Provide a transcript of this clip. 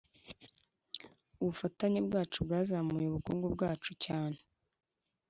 Ubufatanye bwacu bwazamuye ubukungu bwacu cyane